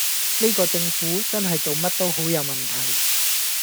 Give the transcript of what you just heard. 呢個政府真係做乜都好有問題